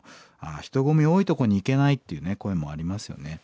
人混み多いとこに行けないっていう声もありますよね。